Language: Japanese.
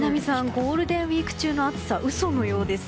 ゴールデンウィーク中の暑さ嘘のようです。